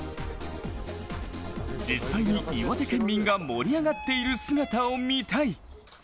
実際に岩手県民が盛り上がっている姿を見たい。